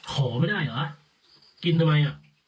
ขอไม่ได้เหรอกินทำไมอ่ะ